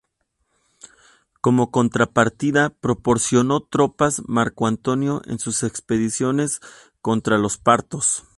Como contrapartida, proporcionó tropas Marco Antonio en sus expediciones contra los partos.